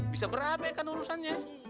bisa beramai kan urusannya